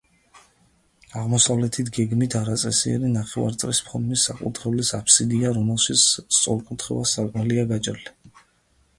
აღმოსავლეთით გეგმით არაწესიერი ნახევარწრის ფორმის საკურთხევლის აფსიდია, რომელშიც სწორკუთხა სარკმელია გაჭრილი.